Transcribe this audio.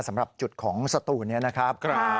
สำหรับจุดของสตูนนี้นะครับ